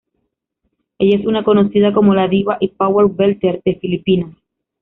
Ella es una conocida como la diva y power-belter de Filipinas.